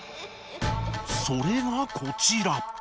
それがこちら。